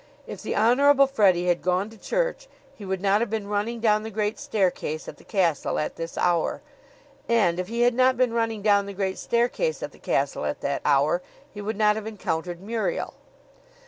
If the Honorable Freddie had gone to church he would not have been running down the great staircase at the castle at this hour; and if he had not been running down the great staircase at the castle at that hour he would not have encountered Muriel.